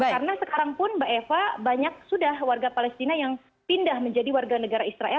karena sekarang pun mbak eva banyak sudah warga palestina yang pindah menjadi warga negara israel